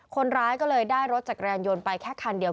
คนร้ายก็เลยได้รถจักรยานยนต์ไปแค่คันเดียว